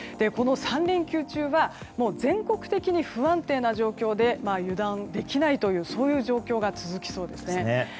３連休中は全国的に不安定な状況で油断できないという状況が続きそうですね。